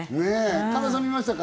神田さん、見ましたか？